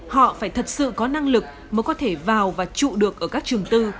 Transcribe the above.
họ phải thật sự có năng lực mới có thể vào và trụ được ở các trường tư